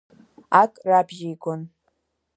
Ак рабжьигон.